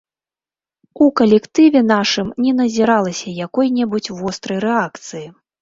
У калектыве нашым не назіралася якой-небудзь вострай рэакцыі.